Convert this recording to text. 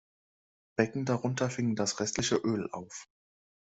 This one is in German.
Becken darunter fingen das restliche Öl auf.